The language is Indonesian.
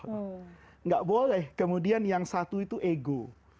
tidak boleh kemudian yang satu itu ego